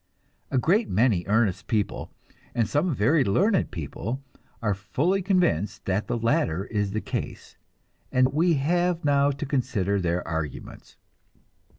A great many earnest people, and some very learned people, are fully convinced that the latter is the case, and we have now to consider their arguments.